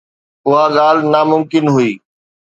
اها ڳالهه ناممڪن هئي.